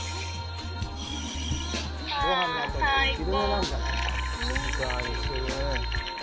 ああ、最高。